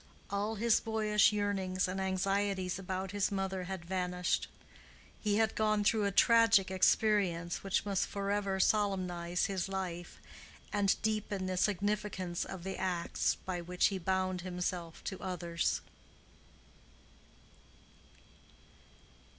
All his boyish yearnings and anxieties about his mother had vanished. He had gone through a tragic experience which must forever solemnize his life and deepen the significance of the acts by which he bound himself to others.